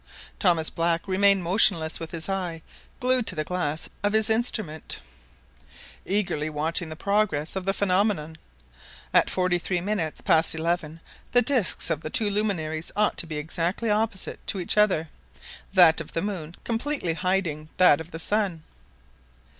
Thomas Black remained motionless with his eye glued to the glass of his instrument, eagerly watching the progress of the phenomenon. At forty three minutes past eleven the discs of the two luminaries ought to be exactly opposite to each other, that of the moon completely hiding that of the sun.